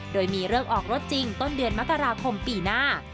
โดยมีเลิกออกรถจริงต้นเดือนมกราคมปีหน้า